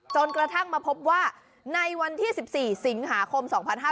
จนกระทั่งมาพบว่าในวันที่๑๔สิงหาคม๒๕๕๙